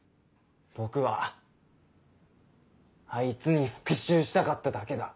僕はあいつに復讐したかっただけだ。